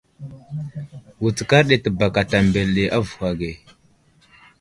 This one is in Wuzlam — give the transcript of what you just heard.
Wutskar ɗi təbakata mbele ɗi avohw age.